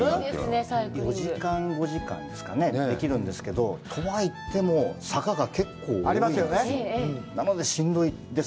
４時間、５時間ですかね、できるんですけれども、とはいっても、坂が結構多いんです。